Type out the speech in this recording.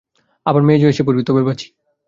আবার মেজেয় এসে পড়ি, তবে বাঁচি।